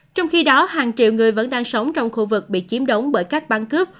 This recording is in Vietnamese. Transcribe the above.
trong khi đó hàng triệu người vẫn đang sống trong khu vực bị chiếm đóng bởi các bán cướp